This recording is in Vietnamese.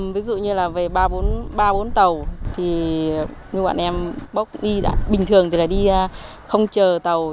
ví dụ như là về ba bốn tàu thì như bọn em bóc đi bình thường thì là đi không chờ tàu